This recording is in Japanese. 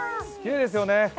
きれいですよね。